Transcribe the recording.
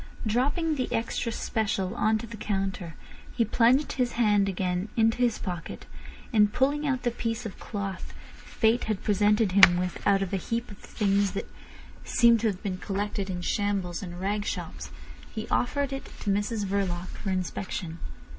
Dropping the extra special on to the counter, he plunged his hand again into his pocket, and pulling out the piece of cloth fate had presented him with out of a heap of things that seemed to have been collected in shambles and rag shops, he offered it to Mrs Verloc for inspection.